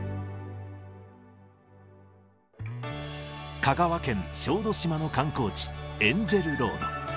香川県小豆島の観光地、エンジェルロード。